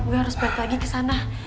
gue harus balik lagi kesana